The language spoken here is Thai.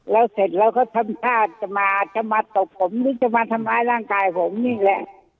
แล้วเสร็จเราก็ทำท่าจะมาจะมาตบผมหรือจะมาทำร้ายร่างกายผมนี่แหละ